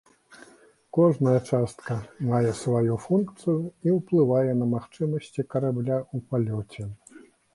Кожная частка мае сваю функцыю і ўплывае на магчымасці карабля ў палёце.